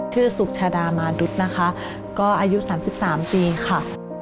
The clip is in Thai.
สุชาดามาดุนะคะก็อายุ๓๓ปีค่ะ